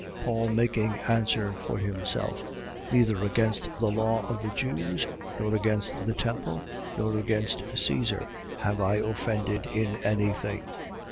Paul making answer for himself: Neither against the law of the Jews, nor against the temple, nor against Caesar, have I offended in any thing.